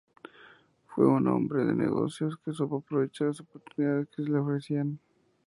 Fue un hombre de negocios que supo aprovechar las oportunidades que se le ofrecían.